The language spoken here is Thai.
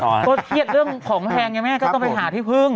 เพราะเครียดเรื่องของแพงไงแม่ก็ต้องไปหาที่พึ่ง